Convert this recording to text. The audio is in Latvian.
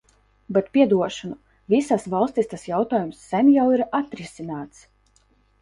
Bet, piedošanu, visās valstīs tas jautājums sen jau ir atrisināts!